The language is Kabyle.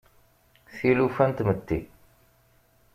Tilufa n tmetti.